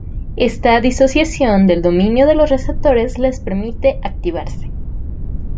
Esta disociación del dominio de los receptores les permite activarse.